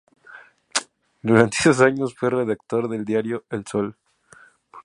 Durante esos años fue redactor del diario "El Sol".